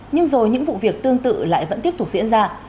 nhưng rồi những vụ việc tương tự lại vẫn tiếp tục diễn ra